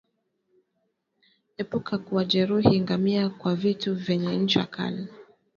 Epuka kuwajeruhi ngamia kwa vitu vyenye ncha kali